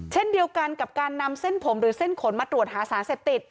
เช่นเดียวกันกับการนำเส้นผมหรือเส้นขนมาตรวจหาสารเสพติด